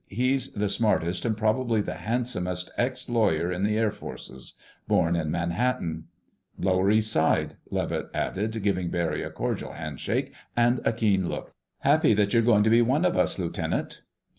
"He's the smartest, and probably the handsomest, ex lawyer in the Air Forces. Born in Manhattan." "Lower East Side," Levitt added, giving Barry a cordial handclasp and a keen look. "Happy that you're going to be one of us, Lieutenant."